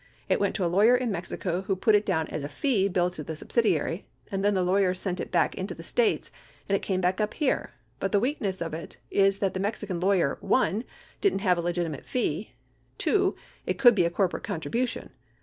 It went to a la wyer in Mexico who put it down as a fee billed to the subsidiary, and then the law yer sent it back into the States, and it came back up here. But the weakness of it is that the, Mexican lawyer: 1. Didn't have a legitimate fee ; 2. It could be a corporate contribution.